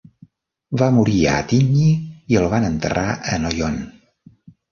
Va morir a Attigny i el van enterrar a Noyon.